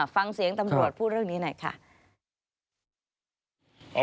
ฟังเสียงตำรวจพูดเรื่องนี้หน่อยค่ะ